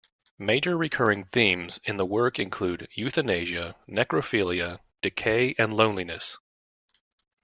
Major recurring themes in the work include euthanasia, necrophilia, decay and loneliness.